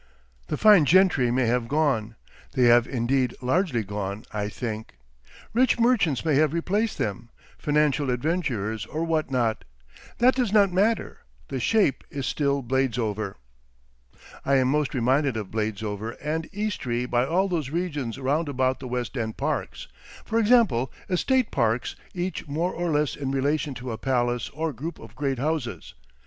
The fine gentry may have gone; they have indeed largely gone, I think; rich merchants may have replaced them, financial adventurers or what not. That does not matter; the shape is still Bladesover. I am most reminded of Bladesover and Eastry by all those regions round about the West End parks; for example, estate parks, each more or less in relation to a palace or group of great houses.